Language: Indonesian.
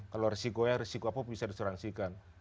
kalau risikonya risiko apapun bisa disuransikan